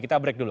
kita break dulu